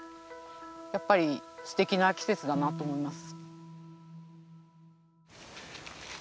やっぱりすてきな季節だなと思います。